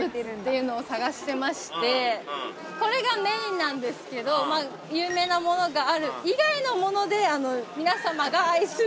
これがメインなんですけど有名なものがある以外のもので。